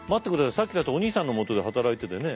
さっきお兄さんのもとで働いてたよね？